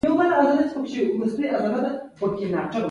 ضروري څیزونه پکې کښېږدي.